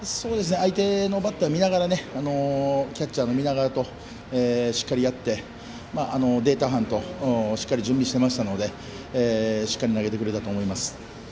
相手のバッターを見ながらキャッチャーも見ながらしっかりやってデータ班もしっかり準備していたのでしっかり投げてくれたと思います。